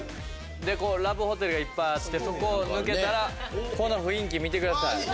ラブホテルがいっぱいあってそこを抜けたらこの雰囲気見てください。